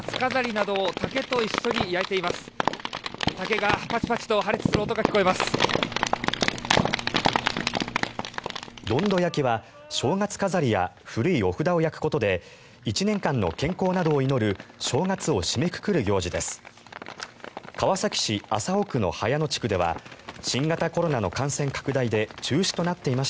どんど焼きは正月飾りや古いお札を焼くことで１年間の健康などを祈る正月を締めくくる行事です。